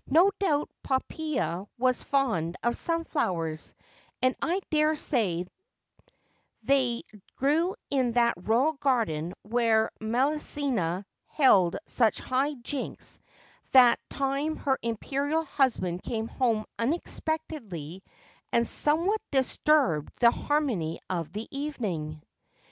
' No doubt Poppsea was fond of sunflowers ; and I daresay they grew in that royal garden where Messalina held such high jinks that time her imperial husband came home unexpectedly and somewhat disturbed the harmony of the evening.'